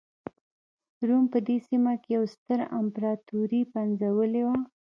روم په دې سیمه کې یوه ستره امپراتوري پنځولې وه.